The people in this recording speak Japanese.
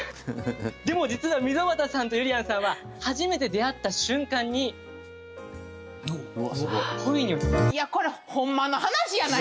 でも実は溝端さんとゆりやんさんは初めて出会った瞬間に恋に落ちた。